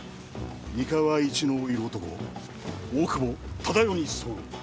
三河一の色男大久保忠世に候。